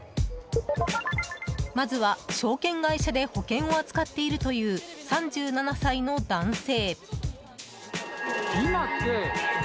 まずは証券会社で保険を扱っているという、３７歳の男性。